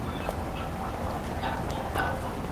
دا علم زموږ په ورځني ژوند کې مهم رول لري.